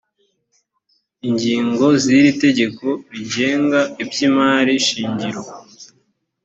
ingingo z iri tegeko zigenga iby’ imari shingiro.